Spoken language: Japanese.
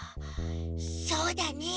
そうだね。